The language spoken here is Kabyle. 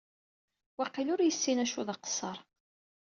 Waqil ur yessin acu d aqeṣṣer.